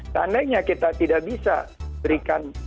seandainya kita tidak bisa berikan